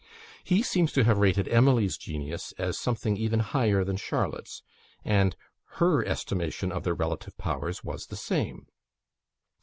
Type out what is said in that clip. He seems to have rated Emily's genius as something even higher than Charlotte's; and her estimation of their relative powers was the same.